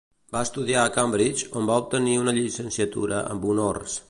Va estudiar a Cambridge, on va obtenir una llicenciatura amb honors.